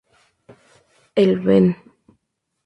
El Ven.